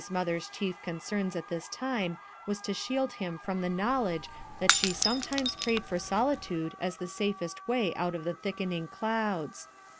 n,other> s chief concerns at this ti me w " to Shield lum from the knowledge that she sometimes prayed for solitude as the safest way out of the thickening clouds.